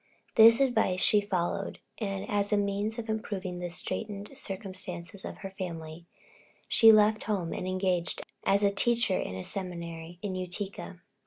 This advice she followed, and as a means of improving the straitened circumstances of her family, she left home and engaged as a teacher in a seminary in Utica.